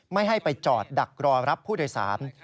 ไม่ให้ไปจอดดักรอรับผู้โดยสาร